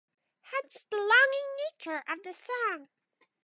Hence the longing nature of the song.